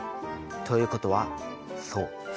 ということはそう！